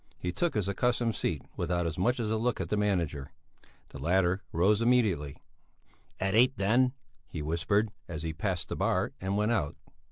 He took his accustomed seat without as much as a look at the manager. The latter rose immediately. "At eight then," he whispered, as he passed the bar and went out.